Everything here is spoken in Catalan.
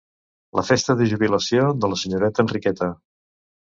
La festa de jubilació de la senyoreta Enriqueta.